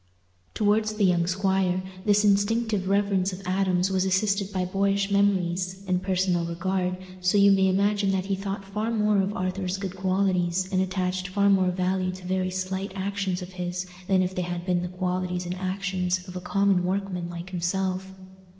Towards the young squire this instinctive reverence of Adam's was assisted by boyish memories and personal regard so you may imagine that he thought far more of Arthur's good qualities, and attached far more value to very slight actions of his, than if they had been the qualities and actions of a common workman like himself.